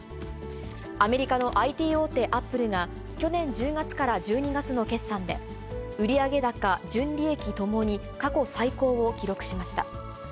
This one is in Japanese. アメリカのＩＴ大手、アップルが、去年１０月から１２月の決算で、売上高、純利益ともに過去最高を記録しました。